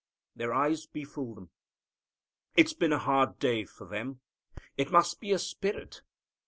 Their eyes befool them. It's been a hard day for them. It must be a spirit.